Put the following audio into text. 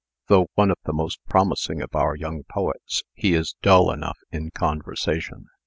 "Though one of the most promising of our young poets, he is dull enough in conversation.